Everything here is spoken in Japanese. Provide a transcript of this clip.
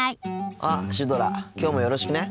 あっシュドラきょうもよろしくね。